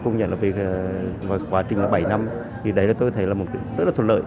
công nhận là về quá trình bảy năm thì đấy là tôi thấy là một cái rất là thuận lợi